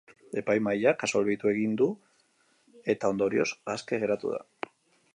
Epaimahaiak absolbitu egin du, eta, ondorioz, aske geratu da.